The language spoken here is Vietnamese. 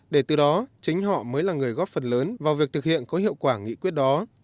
để từ đó chính họ mới là người góp phần lớn vào việc thực hiện có hiệu quả nghị quyết đó